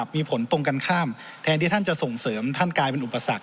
มีผลตรงกันข้ามแทนที่ท่านจะส่งเสริมท่านกลายเป็นอุปสรรค